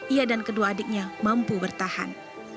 ia dan kedua adiknya mampu bertahan